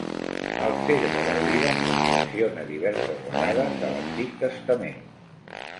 El cedre del Líban es menciona diverses vegades a l'Antic Testament.